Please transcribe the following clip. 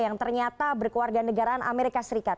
yang ternyata berkeluarga negaraan amerika serikat